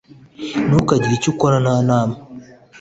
ntukagire icyo ukora nta nama